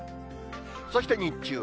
そして日中は。